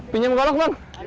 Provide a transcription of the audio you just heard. pinjam golok bang